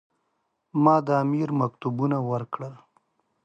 ما امیر مکتوبونه ورکړل.